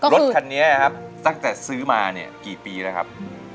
รถคันนี้ครับตั้งแต่ซื้อมาเนี่ยกี่ปีแล้วครับ